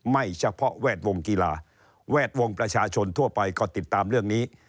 ไม่เฉพาะแวดวงกีฬาแวดวงประชาชนทั่วไปก็ติดตามเรื่องนี้